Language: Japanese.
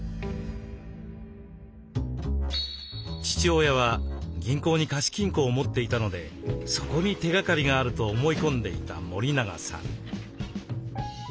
父親は銀行に貸金庫を持っていたのでそこに手がかりがあると思い込んでいた森永さん。